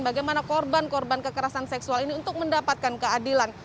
bagaimana korban korban kekerasan seksual ini untuk mendapatkan keadilan